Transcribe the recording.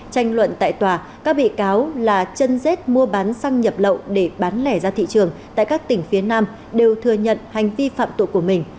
tranh luận tại tòa các bị cáo là chân rết mua bán xăng nhập lậu để bán lẻ ra thị trường tại các tỉnh phía nam đều thừa nhận hành vi phạm tội của mình